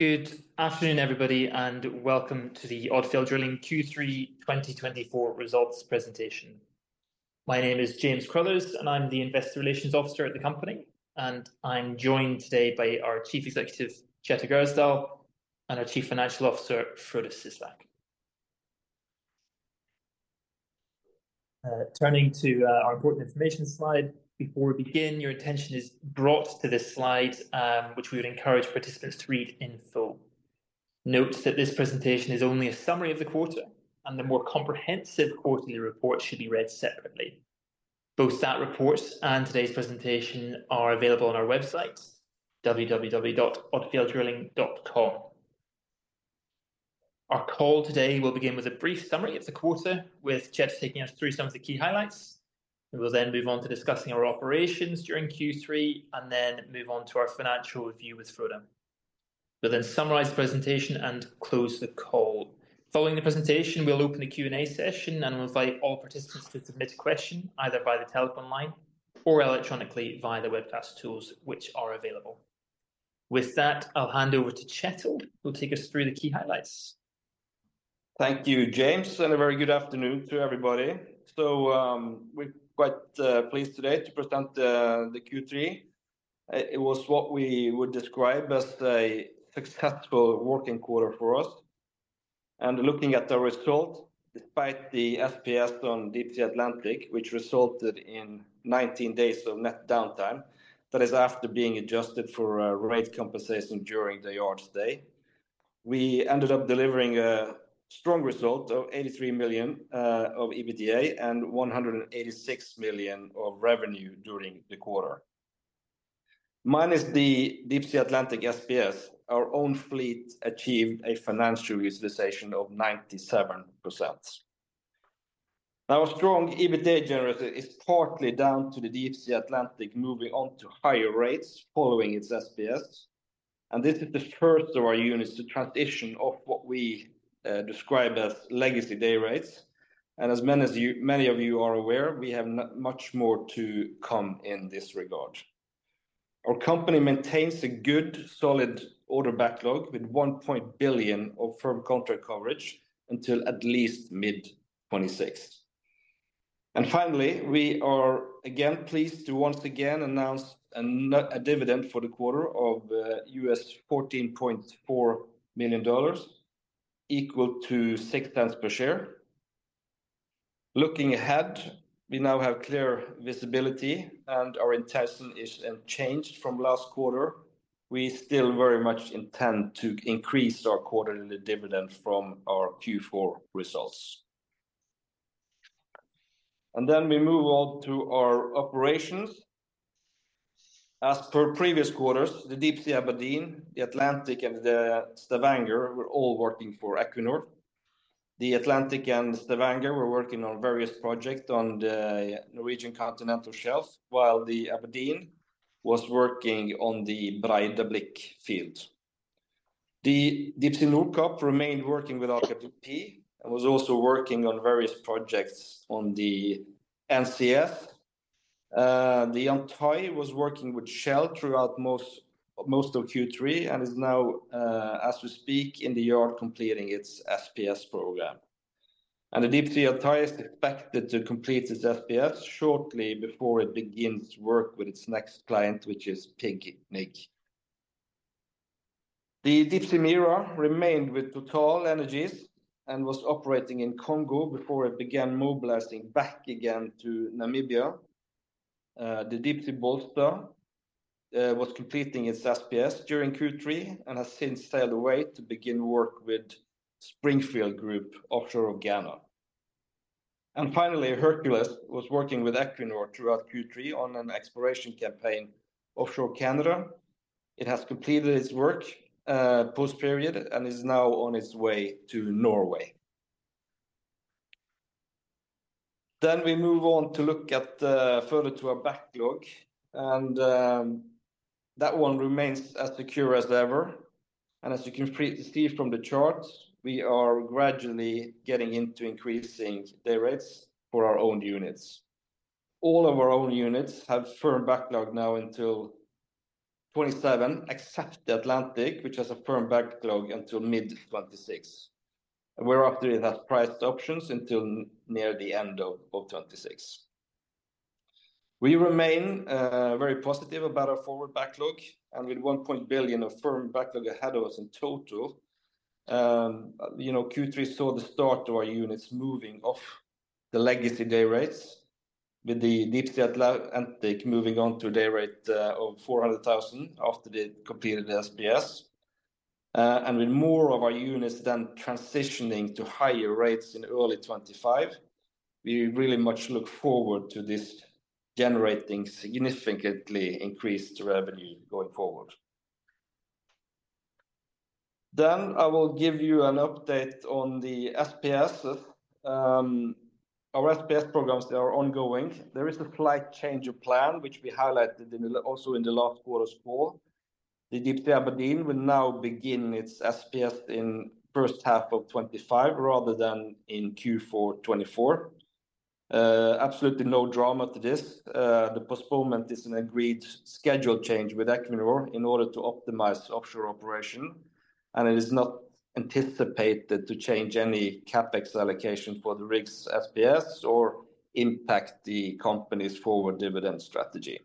Good afternoon, everybody, and welcome to the Odfjell Drilling Q3 2024 results presentation. My name is James Crothers, and I'm the Investor Relations Officer at the company, and I'm joined today by our Chief Executive, Kjetil Gjersdal, and our Chief Financial Officer, Frode Syslak. Turning to our important information slide, before we begin, your attention is brought to this slide, which we would encourage participants to read in full. Note that this presentation is only a summary of the quarter, and the more comprehensive quarterly report should be read separately. Both that report and today's presentation are available on our website, www.odfjelldrilling.com. Our call today will begin with a brief summary of the quarter, with Kjetil taking us through some of the key highlights. We will then move on to discussing our operations during Q3, and then move on to our financial review with Frode. We'll then summarize the presentation and close the call. Following the presentation, we'll open the Q&A session, and we'll invite all participants to submit a question either by the telephone line or electronically via the webcast tools which are available. With that, I'll hand over to Kjetil, who will take us through the key highlights. Thank you, James, and a very good afternoon to everybody. So we're quite pleased today to present the Q3. It was what we would describe as a successful working quarter for us. And looking at the result, despite the SPS on Deepsea Atlantic, which resulted in 19 days of net downtime, that is, after being adjusted for rate compensation during the yard's day, we ended up delivering a strong result of $83 million of EBITDA and $186 million of revenue during the quarter. Minus the Deepsea Atlantic SPS, our own fleet achieved a financial utilization of 97%. Now, a strong EBITDA generator is partly down to the Deepsea Atlantic moving on to higher rates following its SPS, and this is the first of our units to transition off what we describe as legacy day rates. As many of you are aware, we have much more to come in this regard. Our company maintains a good solid order backlog with $1.1 billion of firm contract coverage until at least mid-2026. Finally, we are again pleased to once again announce a dividend for the quarter of $14.4 million, equal to $0.06 per share. Looking ahead, we now have clear visibility, and our intention is unchanged from last quarter. We still very much intend to increase our quarterly dividend from our Q4 results. Then we move on to our operations. As per previous quarters, the Deepsea Aberdeen, the Deepsea Atlantic, and the Deepsea Stavanger were all working for Equinor. The Deepsea Atlantic and Deepsea Stavanger were working on various projects on the Norwegian Continental Shelf, while the Deepsea Aberdeen was working on the Breidablikk field. The Deepsea Nordkapp remained working with Aker BP and was also working on various projects on the NCS. The Deepsea Yantai was working with Shell throughout most of Q3 and is now, as we speak, in the yard completing its SPS program. The Deepsea Yantai is expected to complete its SPS shortly before it begins work with its next client, which is PGNiG. The Deepsea Mira remained with TotalEnergies and was operating in Congo before it began mobilizing back again to Namibia. The Deepsea Bollsta was completing its SPS during Q3 and has since sailed away to begin work with Springfield Group offshore of Ghana. Finally, Hercules was working with Equinor throughout Q3 on an exploration campaign offshore Canada. It has completed its work post-period and is now on its way to Norway. Then we move on to look further to our backlog, and that one remains as secure as ever. And as you can see from the chart, we are gradually getting into increasing day rates for our own units. All of our own units have firm backlog now until 2027, except the Atlantic, which has a firm backlog until mid-2026. We're up to it as priced options until near the end of 2026. We remain very positive about our forward backlog, and with $1.1 billion of firm backlog ahead of us in total, Q3 saw the start of our units moving off the legacy day rates, with the Deepsea Atlantic moving on to a day rate of $400,000 after they completed the SPS. And with more of our units then transitioning to higher rates in early 2025, we really much look forward to this generating significantly increased revenue going forward. Then I will give you an update on the SPS. Our SPS programs are ongoing. There is a slight change of plan, which we highlighted also in the last quarter's call. The Deepsea Aberdeen will now begin its SPS in the first half of 2025 rather than in Q4 2024. Absolutely no drama to this. The postponement is an agreed schedule change with Equinor in order to optimize offshore operation, and it is not anticipated to change any CapEx allocation for the rigs SPS or impact the company's forward dividend strategy.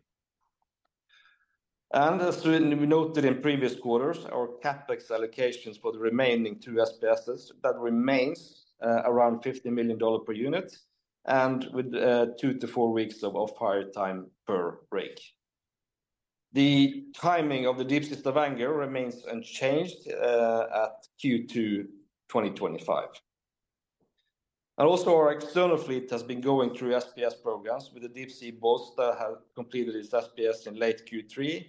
And as we noted in previous quarters, our CapEx allocations for the remaining two SPSs remain around $50 million per unit and with two to four weeks of off-hire time per rig. The timing of the Deepsea Stavanger remains unchanged at Q2 2025. And also, our external fleet has been going through SPS programs with the Deepsea Bollsta that has completed its SPS in late Q3,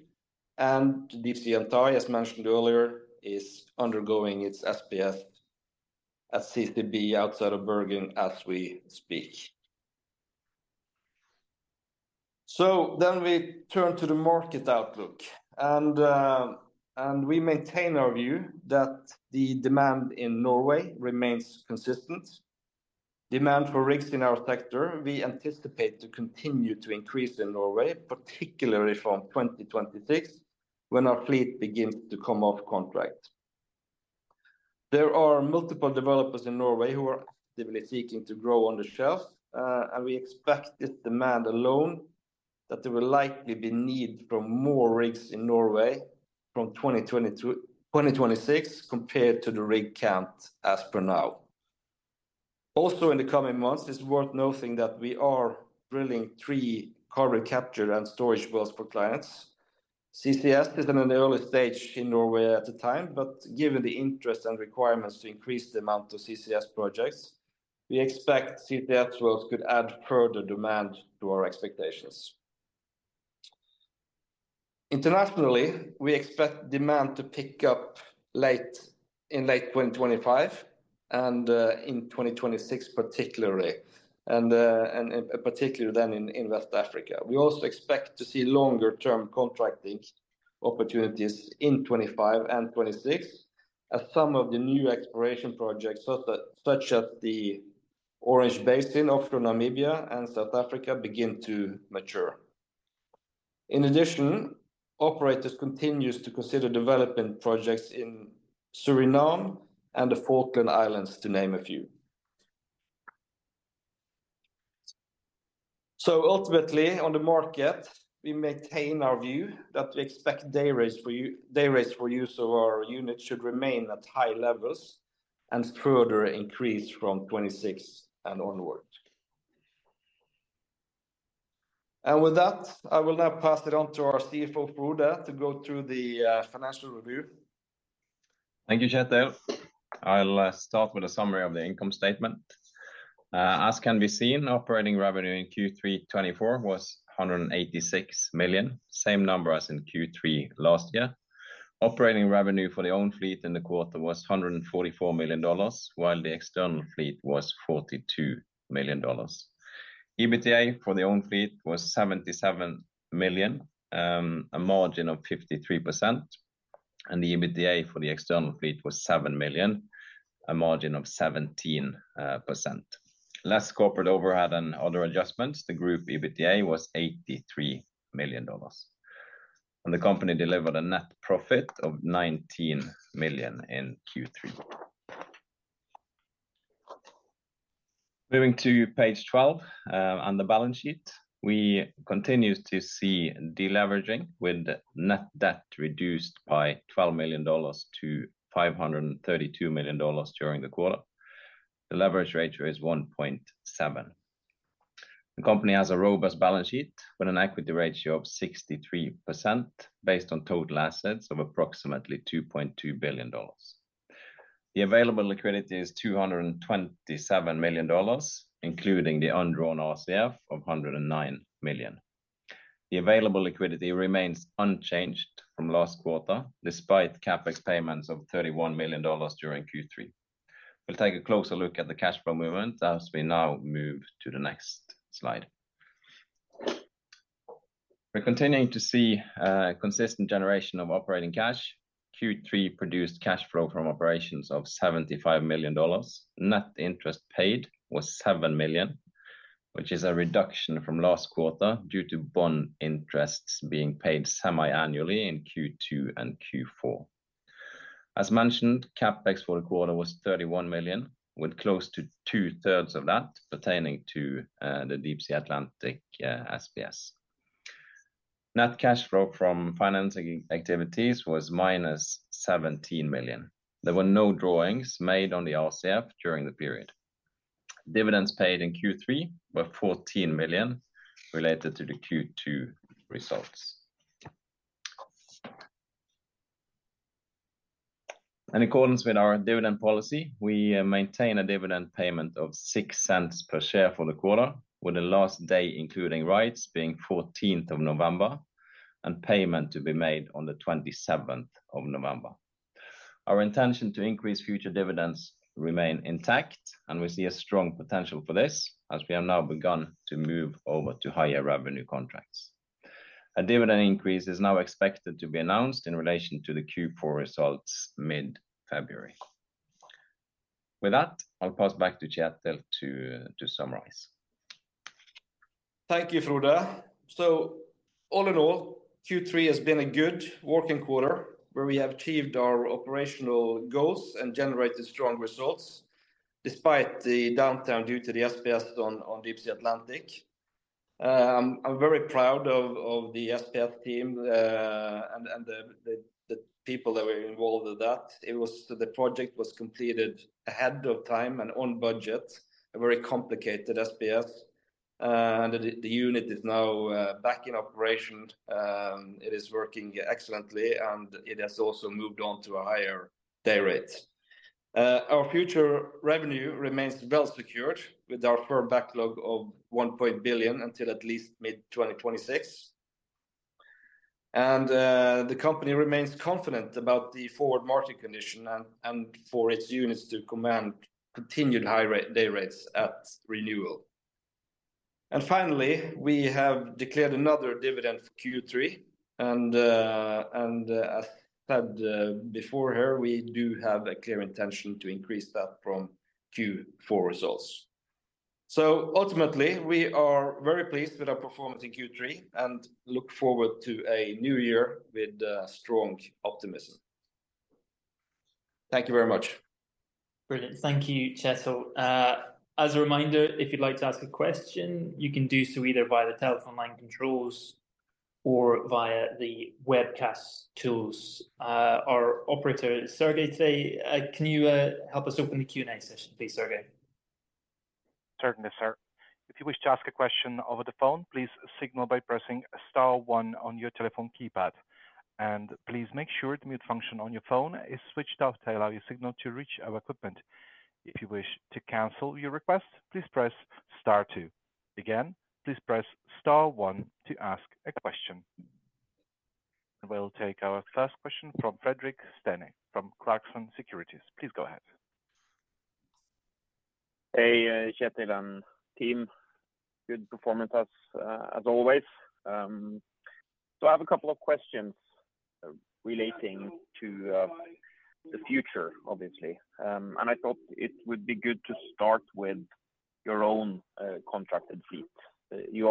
and the Deepsea Yantai, as mentioned earlier, is undergoing its SPS at CCB outside of Bergen as we speak. So then we turn to the market outlook, and we maintain our view that the demand in Norway remains consistent. Demand for rigs in our sector, we anticipate to continue to increase in Norway, particularly from 2026 when our fleet begins to come off contract. There are multiple developers in Norway who are actively seeking to grow on the shelf, and we expect this demand alone that there will likely be need for more rigs in Norway from 2026 compared to the rig count as per now. Also, in the coming months, it's worth noting that we are drilling three carbon capture and storage wells for clients. CCS is at an early stage in Norway at the time, but given the interest and requirements to increase the amount of CCS projects, we expect CCS wells could add further demand to our expectations. Internationally, we expect demand to pick up in late 2025 and in 2026 particularly, and particularly then in West Africa. We also expect to see longer-term contracting opportunities in 2025 and 2026 as some of the new exploration projects such as the Orange Basin offshore Namibia and South Africa begin to mature. In addition, operators continue to consider developing projects in Suriname and the Falkland Islands, to name a few. So ultimately, on the market, we maintain our view that we expect day rates for use of our units should remain at high levels and further increase from 2026 and onward. With that, I will now pass it on to our CFO, Frode, to go through the financial review. Thank you, Kjetil. I'll start with a summary of the income statement. As can be seen, operating revenue in Q3 2024 was $186 million, same number as in Q3 last year. Operating revenue for the own fleet in the quarter was $144 million, while the external fleet was $42 million. EBITDA for the own fleet was $77 million, a margin of 53%, and the EBITDA for the external fleet was $7 million, a margin of 17%. Less corporate overhead and other adjustments, the group EBITDA was $83 million, and the company delivered a net profit of $19 million in Q3. Moving to page 12 and the balance sheet, we continue to see deleveraging with net debt reduced by $12 million to 532 million during the quarter. The leverage ratio is 1.7. The company has a robust balance sheet with an equity ratio of 63% based on total assets of approximately $2.2 billion. The available liquidity is $227 million, including the undrawn RCF of $109 million. The available liquidity remains unchanged from last quarter, despite CapEx payments of $31 million during Q3. We'll take a closer look at the cash flow movement as we now move to the next slide. We're continuing to see consistent generation of operating cash. Q3 produced cash flow from operations of $75 million. Net interest paid was $7 million, which is a reduction from last quarter due to bond interests being paid semi-annually in Q2 and Q4. As mentioned, CapEx for the quarter was $31 million, with close to two-thirds of that pertaining to the Deepsea Atlantic SPS. Net cash flow from financing activities was minus $17 million. There were no drawings made on the RCF during the period. Dividends paid in Q3 were $14 million related to the Q2 results. In accordance with our dividend policy, we maintain a dividend payment of $0.06 per share for the quarter, with the last day including rights being 14th of November and payment to be made on the 27th of November. Our intention to increase future dividends remains intact, and we see a strong potential for this as we have now begun to move over to higher revenue contracts. A dividend increase is now expected to be announced in relation to the Q4 results mid-February. With that, I'll pass back to Kjetil to summarize. Thank you, Frode. So all in all, Q3 has been a good working quarter where we have achieved our operational goals and generated strong results despite the downtime due to the SPS on Deepsea Atlantic. I'm very proud of the SPS team and the people that were involved with that. The project was completed ahead of time and on budget, a very complicated SPS, and the unit is now back in operation. It is working excellently, and it has also moved on to a higher day rate. Our future revenue remains well secured with our firm backlog of $1.1 billion until at least mid-2026, and the company remains confident about the forward market condition and for its units to command continued high day rates at renewal. And finally, we have declared another dividend for Q3, and as said before here, we do have a clear intention to increase that from Q4 results. So ultimately, we are very pleased with our performance in Q3 and look forward to a new year with strong optimism. Thank you very much. Brilliant. Thank you, Kjetil. As a reminder, if you'd like to ask a question, you can do so either via the telephone line controls or via the webcast tools. Our operator, Sergey, today, can you help us open the Q&A session, please, Sergey? Certainly, sir. If you wish to ask a question over the phone, please signal by pressing Star 1 on your telephone keypad. And please make sure the mute function on your phone is switched off to allow your signal to reach our equipment. If you wish to cancel your request, please press Star 2. Again, please press Star 1 to ask a question. We'll take our first question from Fredrik Stene from Clarksons Securities. Please go ahead. Hey, Kjetil and team. Good performance as always. So I have a couple of questions relating to the future, obviously. And I thought it would be good to start with your own contracted fleet. You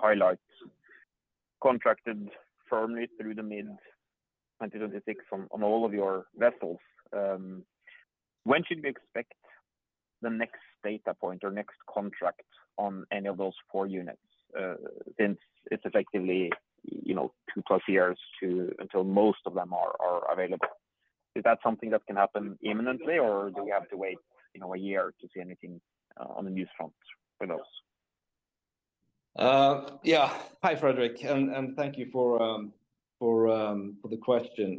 highlight contracted firmly through the mid-2026 on all of your vessels. When should we expect the next data point or next contract on any of those four units since it's effectively two plus years until most of them are available? Is that something that can happen imminently, or do we have to wait a year to see anything on the news front for those? Yeah. Hi, Frederik, and thank you for the question.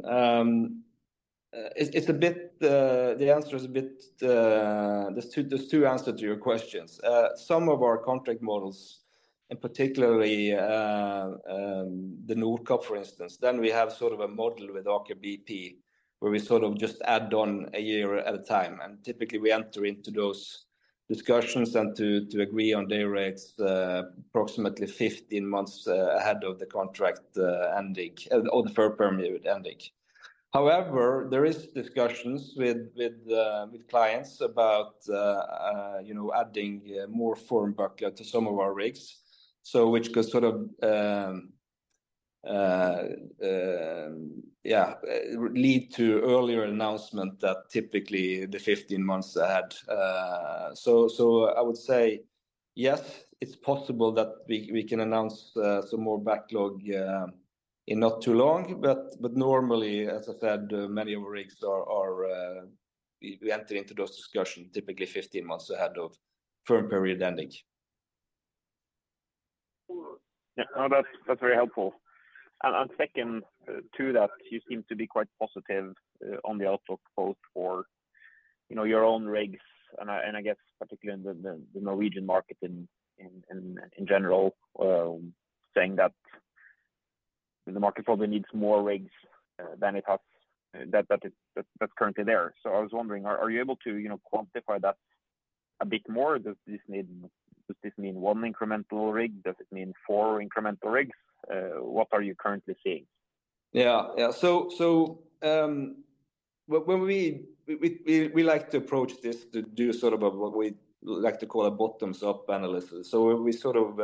The answer is a bit. There's two answers to your questions. Some of our contract models, and particularly the Nordkapp, for instance, then we have sort of a model with Aker BP where we sort of just add on a year at a time. And typically, we enter into those discussions and to agree on day rates approximately 15 months ahead of the contract ending or the firm period ending. However, there are discussions with clients about adding more firm backlog to some of our rigs, which could sort of, yeah, lead to earlier announcement than typically the 15 months ahead. So I would say, yes, it's possible that we can announce some more backlog in not too long, but normally, as I said, many of our rigs, we enter into those discussions typically 15 months ahead of firm period ending. Yeah, that's very helpful, and second to that, you seem to be quite positive on the outlook both for your own rigs and I guess particularly in the Norwegian market in general, saying that the market probably needs more rigs than it has that's currently there, so I was wondering, are you able to quantify that a bit more? Does this mean one incremental rig? Does it mean four incremental rigs? What are you currently seeing? Yeah, yeah, so we like to approach this to do sort of what we like to call a bottoms-up analysis. We sort of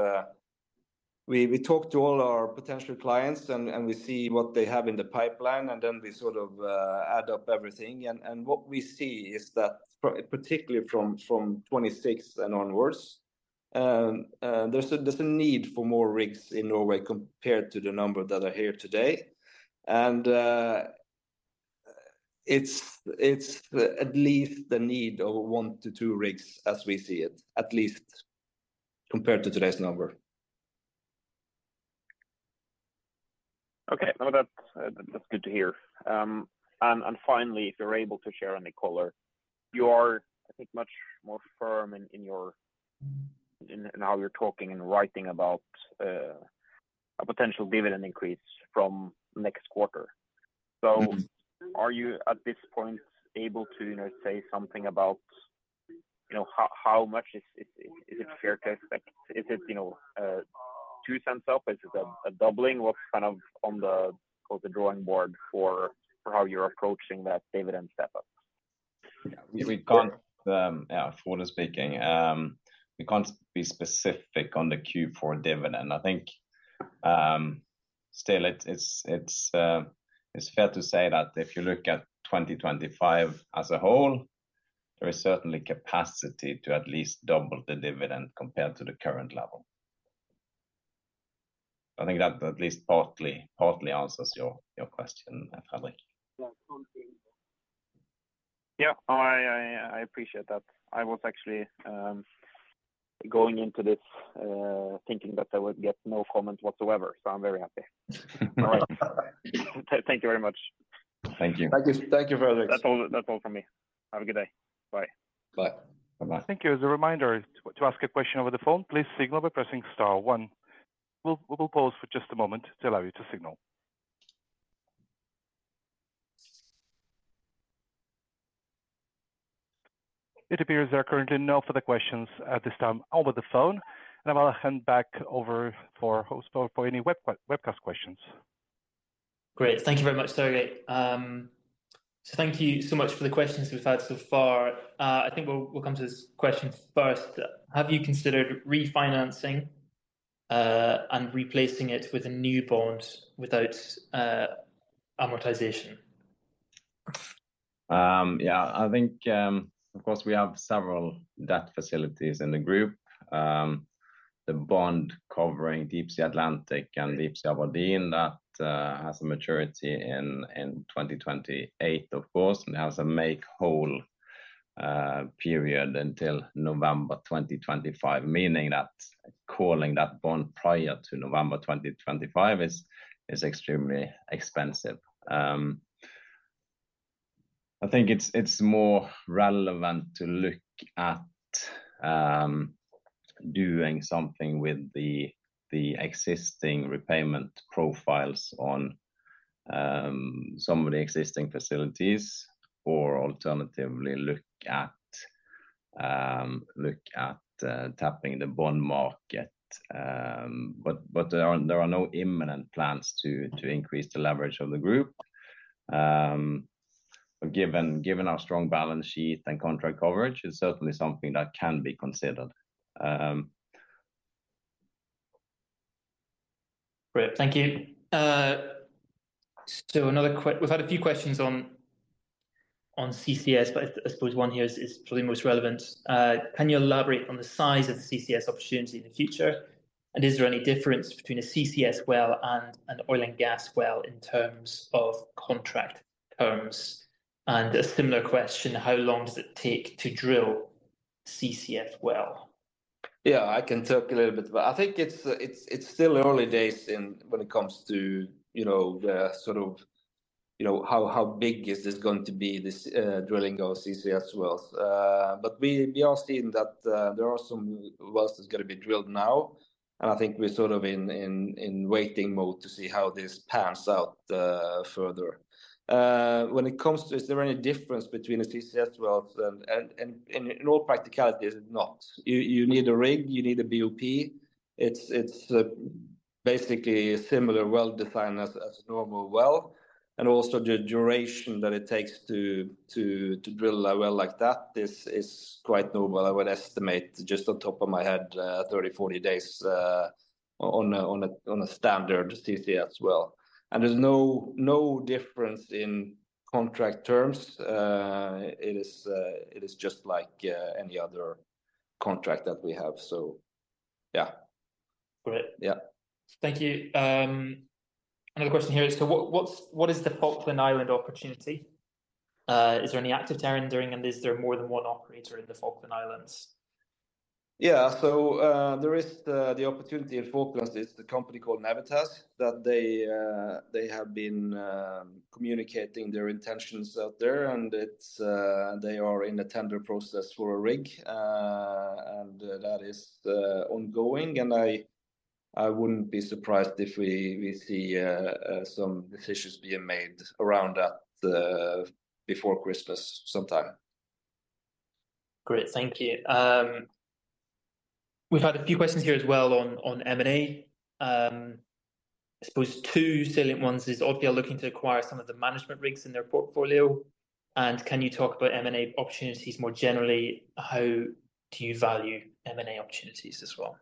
talk to all our potential clients and we see what they have in the pipeline, and then we sort of add up everything. What we see is that particularly from 2026 and onwards, there's a need for more rigs in Norway compared to the number that are here today. It's at least the need of one to two rigs as we see it, at least compared to today's number. Okay, that's good to hear. And finally, if you're able to share any color, you are, I think, much more firm in how you're talking and writing about a potential dividend increase from next quarter. So are you at this point able to say something about how much is it fair to expect? Is it $0.02 up? Is it a doubling? What's kind of on the drawing board for how you're approaching that dividend setup? Yeah, Frode speaking. We can't be specific on the Q4 dividend. I think, still, it's fair to say that if you look at 2025 as a whole, there is certainly capacity to at least double the dividend compared to the current level. I think that at least partly answers your question, Frederik. Yeah, I appreciate that. I was actually going into this thinking that I would get no comment whatsoever, so I'm very happy. All right. Thank you very much. Thank you. Thank you, Frederik. That's all from me. Have a good day. Bye. Bye. Thank you. As a reminder, to ask a question over the phone, please signal by pressing Star 1. We'll pause for just a moment to allow you to signal. It appears there are currently no further questions at this time over the phone, and I'll hand back over for any webcast questions. Great. Thank you very much, Sergey. So thank you so much for the questions we've had so far. I think we'll come to this question first. Have you considered refinancing and replacing it with a new bond without amortization? Yeah, I think, of course, we have several debt facilities in the group. The bond covering Deepsea Atlantic and Deepsea Stavanger that has a maturity in 2028, of course, and has a make-whole period until November 2025, meaning that calling that bond prior to November 2025 is extremely expensive. I think it's more relevant to look at doing something with the existing repayment profiles on some of the existing facilities or alternatively look at tapping the bond market. But there are no imminent plans to increase the leverage of the group. Given our strong balance sheet and contract coverage, it's certainly something that can be considered. Great. Thank you. So we've had a few questions on CCS, but I suppose one here is probably most relevant. Can you elaborate on the size of the CCS opportunity in the future? And is there any difference between a CCS well and an oil and gas well in terms of contract terms? And a similar question, how long does it take to drill CCS well? Yeah, I can talk a little bit, but I think it's still early days when it comes to the sort of how big is this going to be, this drilling of CCS wells, but we are seeing that there are some wells that are going to be drilled now, and I think we're sort of in waiting mode to see how this pans out further. When it comes to, is there any difference between a CCS well? And in all practicality, there's not. You need a rig, you need a BOP. It's basically a similar well design as a normal well, and also the duration that it takes to drill a well like that is quite normal. I would estimate, just on top of my head, 30 to 40 days on a standard CCS well, and there's no difference in contract terms. It is just like any other contract that we have. So yeah. Great. Thank you. Another question here is, what is the Falkland Islands opportunity? Is there any active tendering, and is there more than one operator in the Falkland Islands? Yeah, so there is the opportunity in Falklands. It's a company called Navitas that they have been communicating their intentions out there, and they are in the tender process for a rig, and that is ongoing. And I wouldn't be surprised if we see some decisions being made around that before Christmas sometime. Great. Thank you. We've had a few questions here as well on M&A. I suppose two salient ones is, obviously, you're looking to acquire some of the management rigs in their portfolio, and can you talk about M&A opportunities more generally? How do you value M&A opportunities as well?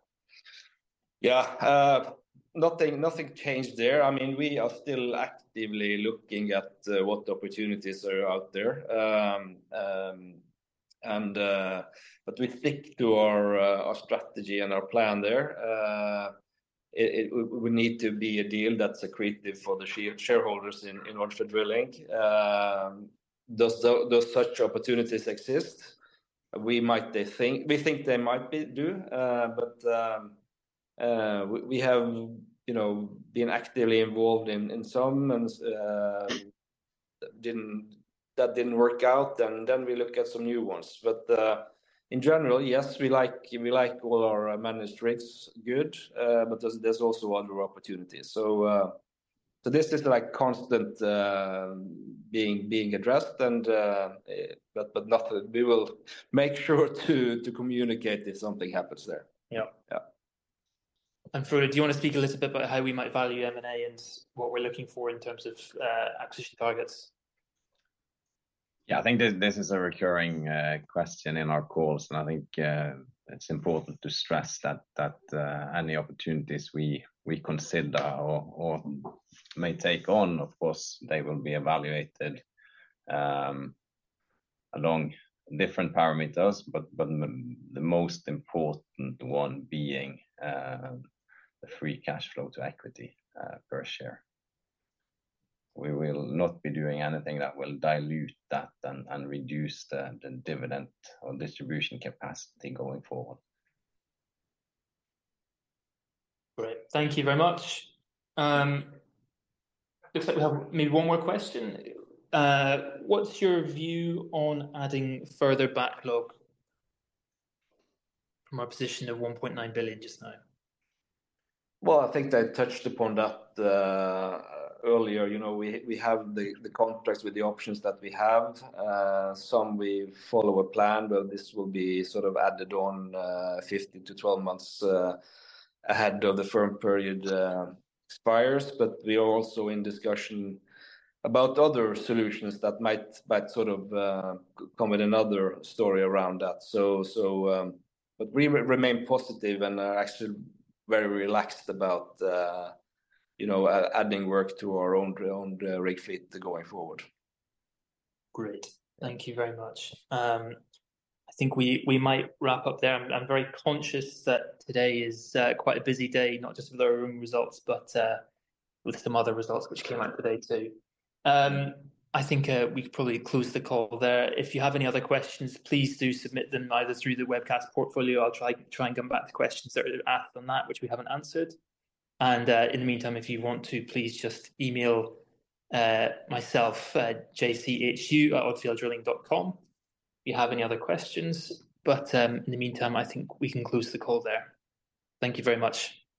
Yeah, nothing changed there. I mean, we are still actively looking at what opportunities are out there. But we stick to our strategy and our plan there. We need to be a deal that's accretive for the shareholders in order to drill. Does such opportunities exist? We think they might do, but we have been actively involved in some, and that didn't work out, and then we look at some new ones. But in general, yes, we like all our managed rigs. Good. But there's also other opportunities. So this is constantly being addressed, but we will make sure to communicate if something happens there. Yeah, and Frode, do you want to speak a little bit about how we might value M&A and what we're looking for in terms of acquisition targets? Yeah, I think this is a recurring question in our calls, and I think it's important to stress that any opportunities we consider or may take on, of course, they will be evaluated along different parameters, but the most important one being the free cash flow to equity per share. We will not be doing anything that will dilute that and reduce the dividend or distribution capacity going forward. Great. Thank you very much. Looks like we have maybe one more question. What's your view on adding further backlog from our position of $1.9 billion just now? I think I touched upon that earlier. We have the contracts with the options that we have. Some we follow a plan where this will be sort of added on 15 to 12 months ahead of the firm period expires. But we are also in discussion about other solutions that might sort of come with another story around that. But we remain positive and actually very relaxed about adding work to our own rig fleet going forward. Great. Thank you very much. I think we might wrap up there. I'm very conscious that today is quite a busy day, not just with our own results, but with some other results which came out today too. I think we could probably close the call there. If you have any other questions, please do submit them either through the webcast platform. I'll try and come back to questions that are asked on that, which we haven't answered, and in the meantime, if you want to, please just email myself, jcro@odfjelldrilling.com, if you have any other questions. But in the meantime, I think we can close the call there. Thank you very much.